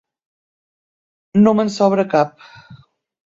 No me'n sobra cap.